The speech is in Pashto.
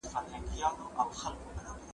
زه د ښوونځی لپاره تياری کړی دی؟!